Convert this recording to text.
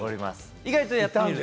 意外とやってみると。